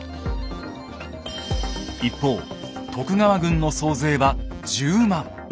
一方徳川軍の総勢は１０万。